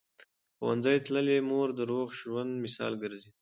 ښوونځې تللې مور د روغ ژوند مثال ګرځي.